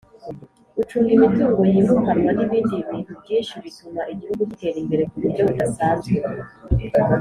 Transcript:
gucunga imitungo yimukanwa n ibindi bintu byinshi bituma igihugu gitera imbere kuburyo budasanzwe